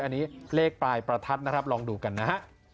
อันนี้เลขปลายประทัดนะครับลองดูกันนะฮะ